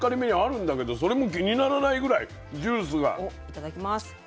いただきます。